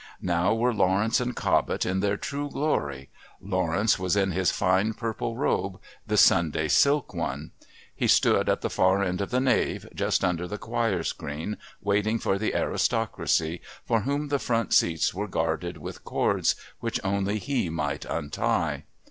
Now were Lawrence and Cobbett in their true glory Lawrence was in his fine purple robe, the Sunday silk one. He stood at the far end of the nave, just under the choir screen, waiting for the aristocracy, for whom the front seats were guarded with cords which only he might untie.